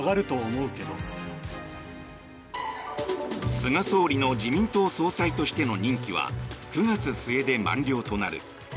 菅総理の自民党総裁としての任期は９月末で満了となる。